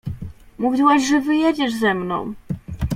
"Mówiłaś, że wyjedziesz ze mną."